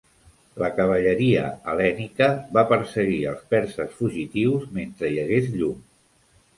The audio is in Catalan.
La cavalleria hel·lènica va perseguir els perses fugitius mentre hi hagués llum.